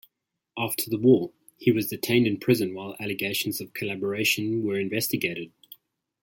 After the war, he was detained in prison while allegations of collaboration were investigated.